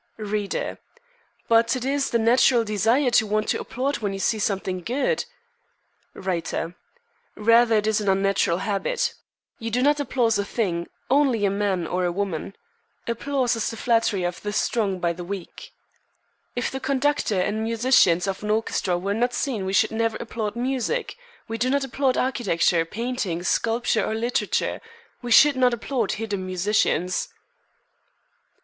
"Reader: But it is the natural desire to want to applaud when you see something good." "Writer: Rather it is an unnatural habit. You do not applaud a thing, only a man or a woman. Applause is the flattery of the strong by the weak. "If the conductor and musicians of an orchestra were not seen we should never applaud music. We do not applaud architecture, painting, sculpture, or literature. We should not applaud hidden musicians."